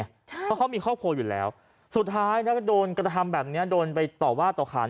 เพราะเขามีข้อโพลอยู่แล้วสุดท้ายถ้ากระทำแบบนี้โดนไปต่อวาดต่อขา